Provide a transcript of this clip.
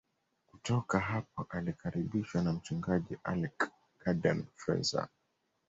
Kutoka hapo alikaribishwa na mchungaji Alec Garden Fraser